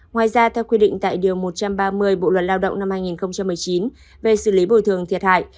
ngoài ra theo quy định tại điều một trăm ba mươi bộ luật lao động năm hai nghìn một mươi chín về xử lý bồi thường thiệt hại